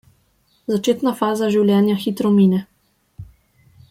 Začetna faza življenja hitro mine.